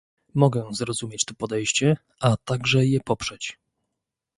Mogę zrozumieć to podejście, a także je poprzeć